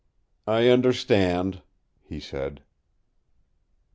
"I understand," he said.